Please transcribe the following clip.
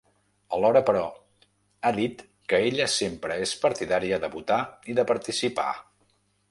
Alhora, però, ha dit que ella sempre és partidària de votar i de participar.